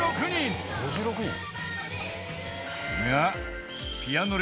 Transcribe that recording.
［が］